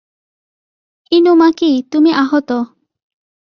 ইনুমাকি, তুমি আহত।